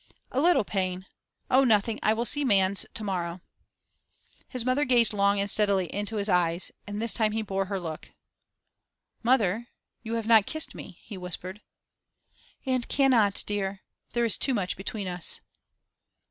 'A little pain. Oh, nothing; I will see Manns to morrow.' His mother gazed long and steadily into his eyes, and this time he bore her look. 'Mother, you have not kissed me,' he whispered. 'And cannot, dear. There is too much between us.